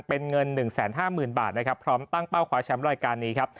เป็นเงิน๑๕๐๐๐บาทนะครับพร้อมตั้งเป้าคว้าแชมป์รายการนี้ครับ